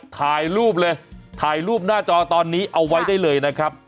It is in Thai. ถ่ายรูปเลยถ่ายรูปหน้าจอตอนนี้เอาไว้ได้เลยนะครับ